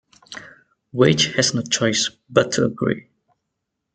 Wedge has no choice but to agree.